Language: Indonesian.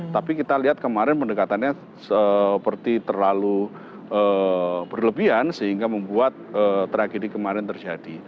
tapi kita lihat kemarin pendekatannya seperti terlalu berlebihan sehingga membuat tragedi kemarin terjadi